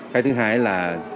cái thứ hai là